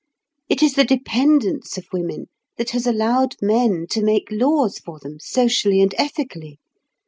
It is the dependence of women that has allowed men to make laws for them, socially and ethically.